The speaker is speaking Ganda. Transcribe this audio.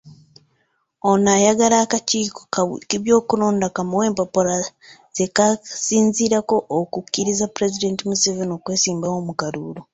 Ono ayagala akakiiko k’ebyokulonda kamuwe empapula ze kasinziirako okukkiriza Pulezidenti Museveni okwesimbawo mu kalulu.